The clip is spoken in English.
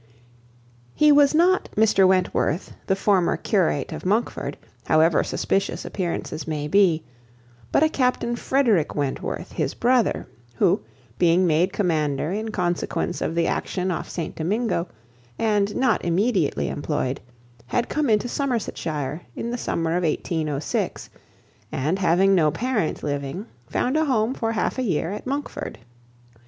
He was not Mr Wentworth, the former curate of Monkford, however suspicious appearances may be, but a Captain Frederick Wentworth, his brother, who being made commander in consequence of the action off St Domingo, and not immediately employed, had come into Somersetshire, in the summer of 1806; and having no parent living, found a home for half a year at Monkford.